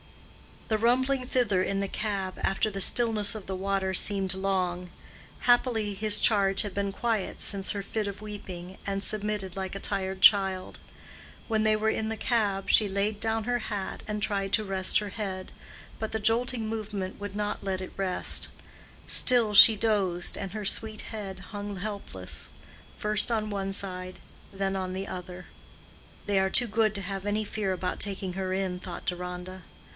The rumbling thither in the cab after the stillness of the water seemed long. Happily his charge had been quiet since her fit of weeping, and submitted like a tired child. When they were in the cab, she laid down her hat and tried to rest her head, but the jolting movement would not let it rest. Still she dozed, and her sweet head hung helpless, first on one side, then on the other. "They are too good to have any fear about taking her in," thought Deronda.